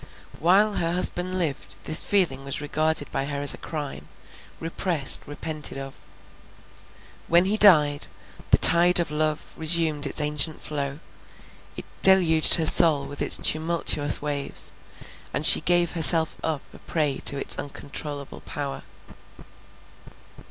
While her husband lived, this feeling was regarded by her as a crime, repressed, repented of. When he died, the tide of love resumed its ancient flow, it deluged her soul with its tumultuous waves, and she gave herself up a prey to its uncontrollable power.